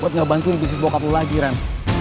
buat gak bantuin bisnis bokap lo lagi ren